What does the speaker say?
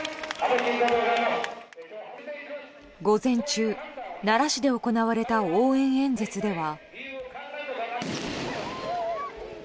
午前中奈良市で行われた応援演説では。